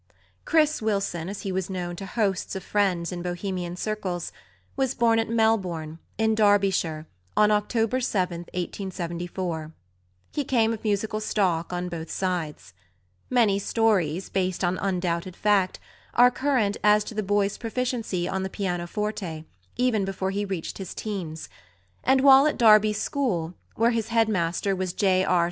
"Chris" Wilson, as he was known to hosts of friends in Bohemian circles, was born at Melbourne, in Derbyshire, on October 7, 1874. He came of musical stock on both sides. Many stories, based on undoubted fact, are current as to the boy's proficiency on the pianoforte, even before he reached his teens; and while at Derby School, where his headmaster was J. R.